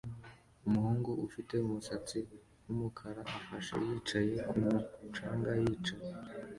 Umuhungu ufite umusatsi wumukara afashe yicaye kumu canga yicaye